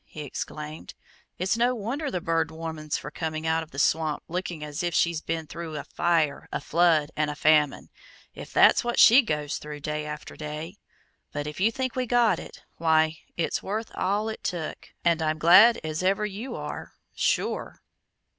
he exclaimed. "It's no wonder the Bird Woman's for coming out of the swamp looking as if she's been through a fire, a flood, and a famine, if that's what she goes through day after day. But if you think we got it, why, it's worth all it took, and I'm glad as ever you are, sure!"